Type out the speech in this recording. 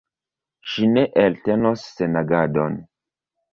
Ŝi ne eltenos senagadon.